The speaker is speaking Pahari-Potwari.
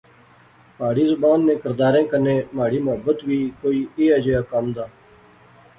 پہاڑی زبان نے کرداریں کنے مہاڑی محبت وی کوئی ایہے جیا کم دا